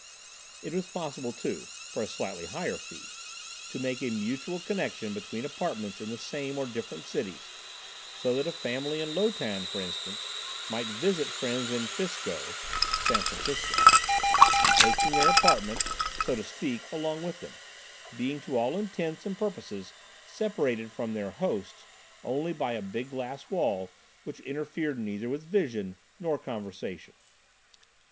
It was possible too, for a slightly higher fee, to make a mutual connection between apartments in the same or different cities, so that a family in Lo Tan, for instance, might "visit" friends in Fis Ko (San Francisco) taking their apartment, so to speak, along with them; being to all intents and purposes separated from their "hosts" only by a big glass wall which interfered neither with vision nor conversation.